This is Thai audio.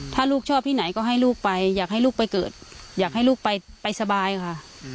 ถ้าลูกชอบที่ไหนก็ให้ลูกไปอยากให้ลูกไปเกิดอยากให้ลูกไปสบายค่ะ